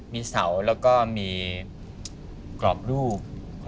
มีเสาแล้วก็มีกรอบรูป